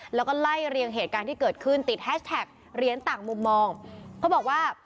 แล้วก็ไล่เรียงเหตุการณ์ที่เกิดขึ้นติดแฮชแท็กเหรียญต่างมุมมองเขาบอกว่า